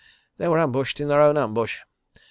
They were ambushed in their own ambush. .